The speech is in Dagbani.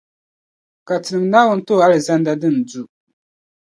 Ka tinim’ Naawuni ti o Alizanda din du.